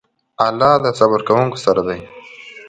الله د صبر کوونکو سره دی.